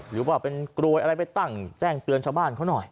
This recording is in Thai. หรือว่าเป็นกรวยอะไรไปตั้งแจ้งเตือนชาวบ้านเขาหน่อย